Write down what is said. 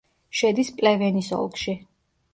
შედის პლევენის ოლქში.